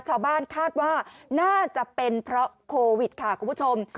ชาวบ้านคาดว่าน่าจะเป็นเพราะโควิดค่ะคุณผู้ชม